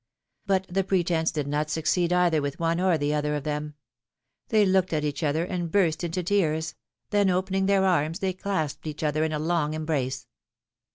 But the pretence did not succeed either with one or the other of them ; they looked at each other and burst into tears, then opening their arras they clasped each other in a long embrace.